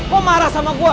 kok marah sama gue